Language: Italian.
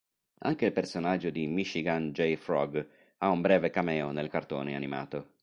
Anche il personaggio di Michigan J. Frog ha un breve cameo nel cartone animato.